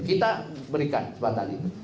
kita berikan fakta itu